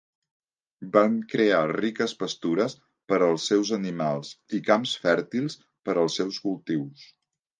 Van crear riques pastures per als seus animals i camps fèrtils per als seus cultius.